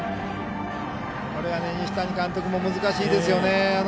西谷監督も難しいですよね。